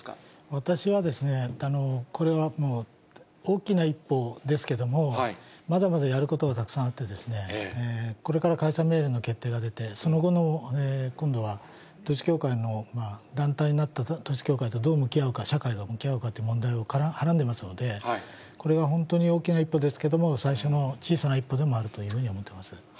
私はですね、これは大きな一歩ですけども、まだまだやることはたくさんあってですね、これから解散命令の決定が出て、その後の今度は統一教会の団体になった統一教会とどう向き合うか、社会とどう向き合うかという問題をはらんでいますので、これは本当に大きな一歩ですけども、最初の小さな一歩でもあるというふうに思っています。